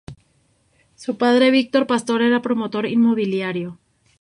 Su padre, Víctor Pastor, era promotor inmobiliario.